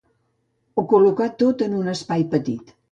Ho col·locà tot en un espai petit.